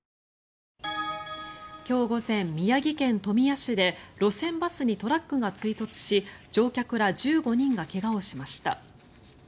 今日午前、宮城県富谷市で路線バスにトラックが追突し乗客ら１５人が怪我をしました。